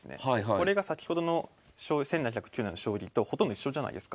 これが先ほどの１７０９年の将棋とほとんど一緒じゃないですか。